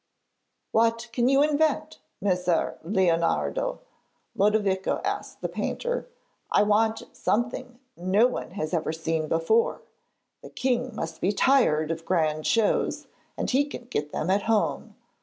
'What can you invent, Messer Leonardo?' Lodovico asked the painter. 'I want something no one has ever seen before; the king must be tired of grand shows, and he can get them at home.